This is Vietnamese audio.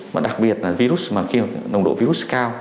mà đặc biệt là virus mà nồng độ virus cao